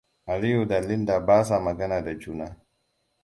Aliyu da Linda ba sa magana da juna.